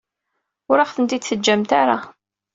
Ur aɣ-ten-id-teǧǧamt ara.